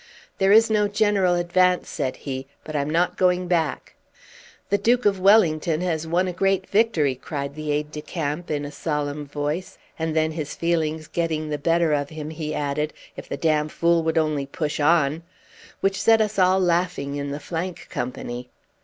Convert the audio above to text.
"There is no general advance," said he; "but I'm not going back." "The Duke of Wellington has won a great victory," cried the aide de camp, in a solemn voice; and then, his feelings getting the better of him, he added, "if the damned fool would only push on!" which set us all laughing in the flank company.